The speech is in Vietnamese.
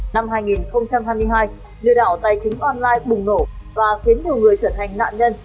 năm hai nghìn hai mươi hai lừa đảo tài chính online bùng nổ và khiến nhiều người trở thành nạn nhân